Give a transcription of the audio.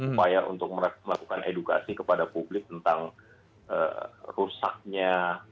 upaya untuk melakukan edukasi kepada publik tentang rusaknya